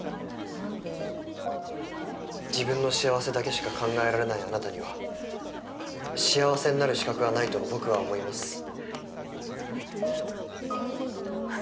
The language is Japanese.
自分の幸せだけしか考えられないあなたには幸せになる資格がないと僕は思います。